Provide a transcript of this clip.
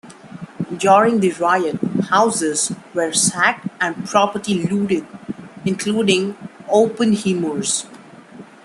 During the riot, houses were sacked and property looted, including Oppenheimer's.